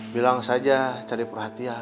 bilang saja cari perhatian